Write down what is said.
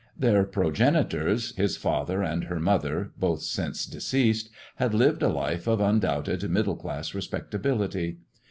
Their progenitors, his father and her mother (both since deceased), had lived a life of undoubted middle class respectability.